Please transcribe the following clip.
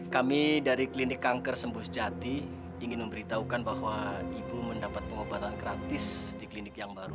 kami dari klinik kanker sembuh jati ingin memberitahukan bahwa ibu mendapat pengobatan gratis di klinik yang baru